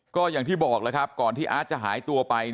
ก็อย่างที่บอกแล้วครับก่อนที่อาร์ตจะหายตัวไป